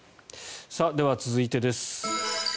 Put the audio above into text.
では、続いてです。